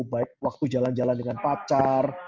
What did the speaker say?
baik waktu jalan jalan dengan pacar